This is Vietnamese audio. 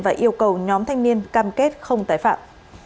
và yêu cầu nhóm thanh niên cam kết không tái phạm